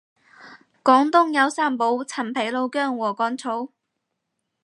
廣東有三寶陳皮老薑禾桿草